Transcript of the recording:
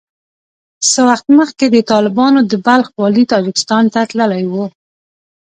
څه وخت مخکې د طالبانو د بلخ والي تاجکستان ته تللی وو